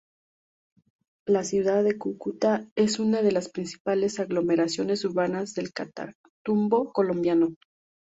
La ciudad de Cúcuta es una de las principales aglomeraciones urbanas del Catatumbo colombiano.